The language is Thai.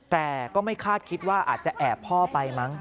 แต่ก็ไม่คาดคิดว่าอาจจะแอบพ่อไปมั้ง